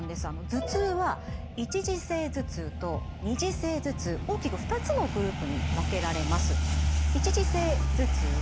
頭痛は一次性頭痛と二次性頭痛大きく２つのグループに分けられます。